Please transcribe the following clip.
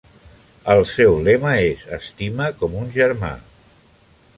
El seu lema és "Estima com un germà".